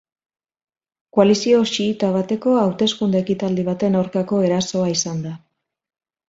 Koalizio xiita bateko hauteskunde-ekitaldi baten aurkako erasoa izan da.